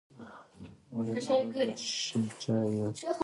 مېلمنو له شين چای يوسه